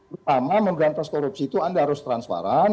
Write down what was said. pertama memberantas korupsi itu anda harus transparan